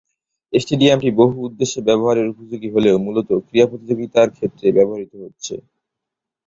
স্টেডিয়ামটি বহু-উদ্দেশ্যে ব্যবহার উপযোগী হলেও মূলতঃ ক্রীড়া প্রতিযোগিতার ক্ষেত্রে ব্যবহৃত হচ্ছে।